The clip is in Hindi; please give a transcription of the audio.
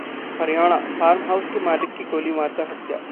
हरियाणाः फार्म हाउस के मालिक की गोली मारकर हत्या